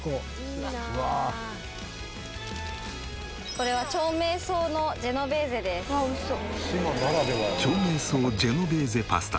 これは長命草ジェノベーゼパスタ。